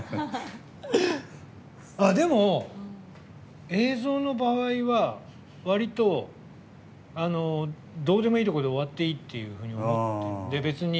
でも、映像の場合は割と、どうでもいいところで終わっていいっていうふうに思ってるんで、別に。